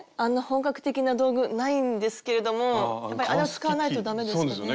本格的な道具ないんですけれどもあれは使わないと駄目ですかね？